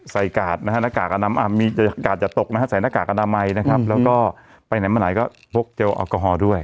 ใส่กาดนะฮะนาฬิกากาดจะตกนะฮะใส่นาฬิกากาดใหม่นะครับแล้วก็ไปไหนมาไหนก็พกเจลอัลกอฮอลด้วย